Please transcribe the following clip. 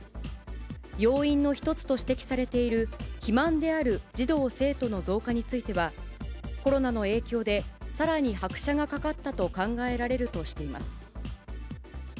要因の一つと指摘されている肥満である児童・生徒の増加については、コロナの影響でさらに拍車がかかったと考えられるとしています。